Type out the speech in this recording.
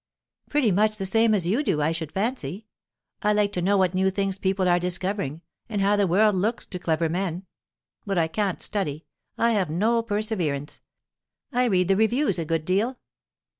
"Pretty much the same as you do, I should fancy. I like to know what new things people are discovering, and how the world looks to clever men. But I can't study; I have no perseverance. I read the reviews a good deal."